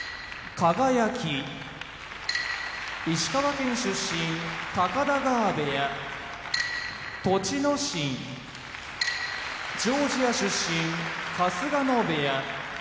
輝石川県出身高田川部屋栃ノ心ジョージア出身春日野部屋